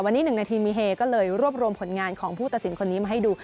วันนี้๑นาทีมีเฮก็เลยรวบรวมผลงานของผู้ตัดสินคนนี้มาให้ดู